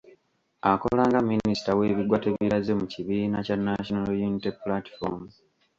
Akola nga Minisita w'ebigwabitalaze mu kibiina kya National Unity Platform.